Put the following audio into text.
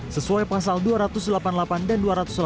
sesuai pasal dua ratus delapan puluh delapan dan dua ratus delapan puluh